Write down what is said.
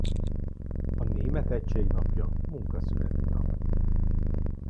A német egység napja munkaszüneti nap.